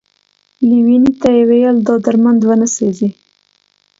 ليوني ته يې ويل دا درمند ونه سوځې ،